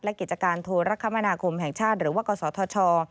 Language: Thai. และกิจการโทรคมนาคมแห่งชาติหรือว่ากศธช